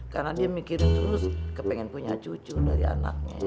karena dia mikirin terus kepengen punya cucu dari anaknya